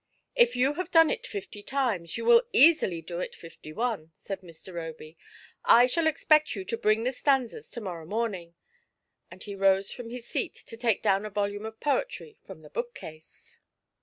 " If you have done it fifty times, you will easily do it fifty one," said Mr. Roby; " I shall expect you to bring the stanzas to morrow morning :" and he rose from his seat to take down a volume of poetry from the bookcase.